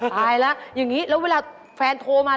ตายแล้วอย่างนี้แล้วเวลาแฟนโทรมา